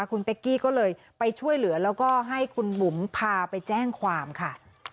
คุณเป๊กกี้ก็เลยไปช่วยเหลือแล้วก็ให้คุณบุ๋มพาไปแจ้งความค่ะ